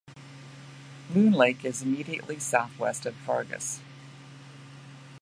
Loon Lake is immediately southwest of Vergas.